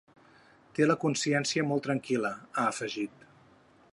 Té la consciència molt tranquil·la, ha afegit.